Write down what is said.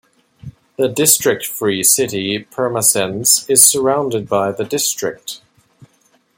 The district-free city Pirmasens is surrounded by the district.